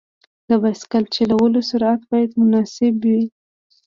د بایسکل چلولو سرعت باید مناسب وي.